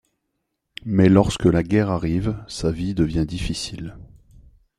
Mais lorsque la guerre arrive, sa vie devient difficile.